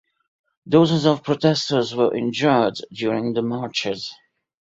Dozens of protesters were injured during the marches.